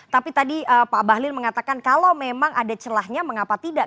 tapi tadi pak bahlil mengatakan kalau memang ada celahnya mengapa tidak